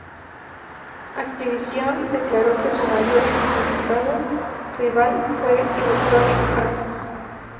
Activision declaró que su mayor identificado rival fue Electronic Arts.